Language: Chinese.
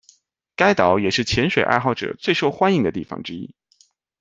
该岛也是潜水爱好者最受欢迎的地方之一。